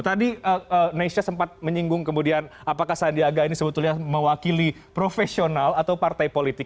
tadi nesha sempat menyinggung kemudian apakah sandiaga ini sebetulnya mewakili profesional atau partai politik